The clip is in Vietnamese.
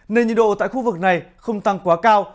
nên nhiệt độ tại khu vực này không tăng quá cao